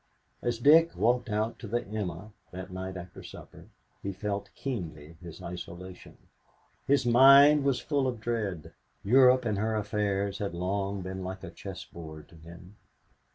As Dick walked out to the "Emma" that night after supper, he felt keenly his isolation. His mind was full of dread. Europe and her affairs had long been like a chess board to him.